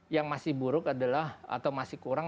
yang masih buruk adalah atau masih kurang